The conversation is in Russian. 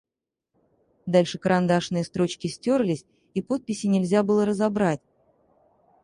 Дальше карандашные строчки стерлись, и подписи нельзя было разобрать.